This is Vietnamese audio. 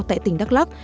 tại tỉnh đắk lắc